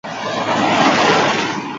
Hauekin, jaurtitzeko armak egiten ziren.